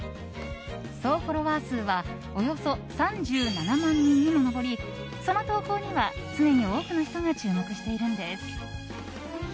総フォロワー数はおよそ３７万人にも上りその投稿には常に多くの人が注目しているんです。